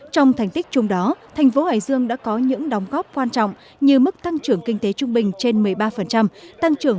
trong thành tích chung đó thành phố hải dương đã có những đóng góp quan trọng như mức tăng trưởng kinh tế trung bình trên một mươi ba